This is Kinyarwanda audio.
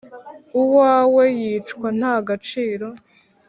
Uwawe yicwa nta gaciro